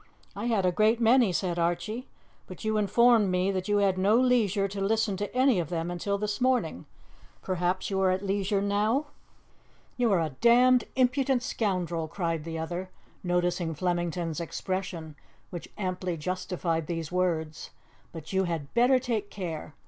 "I had a great many," said Archie, "but you informed me that you had no leisure to listen to any of them until this morning. Perhaps you are at leisure now?" "You are a damned impudent scoundrel!" cried the other, noticing Flemington's expression, which amply justified these words, "but you had better take care!